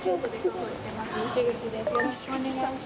よろしくお願いします。